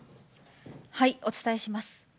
お伝えします。